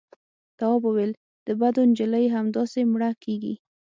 تواب وويل: د بدو نجلۍ همداسې مړه کېږي.